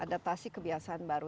adaptasi kebiasaan baru